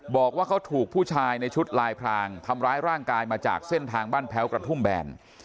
บอกว่าเขาถูกผู้ชายในชุดลายพรางทำร้ายร่างกายมาจากเส้นทางบ้านแพ้วกระทุ่มแบน